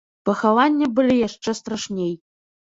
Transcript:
Пахаванне былі яшчэ страшней.